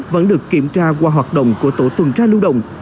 vẫn được kiểm tra qua hoạt động của tổ tuần tra lưu động